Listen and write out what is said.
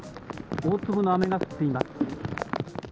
大粒の雨が降っています。